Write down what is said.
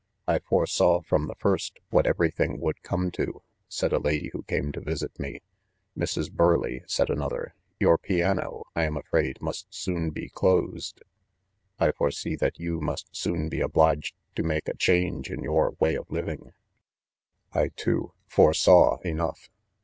'I foresaw from the first, what every thing would come to/ said a lady who came to visit me. i Mrs. Burleigh, 5 said another, 'your piano, I am afraid, must soon be closed. * I foresee that you must soon be obliged to make a change in your way of living.' . I, too, foresaw enough.